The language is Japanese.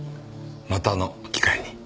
またの機会に。